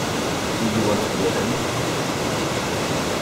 Do you want to be let in?